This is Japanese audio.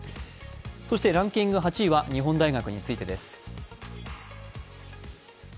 そしてランキング８位は日本大学についてです。